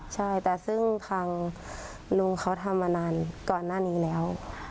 ใช่แต่ซึ่งทางลุงเขาทำมานานก่อนหน้านี้แล้ว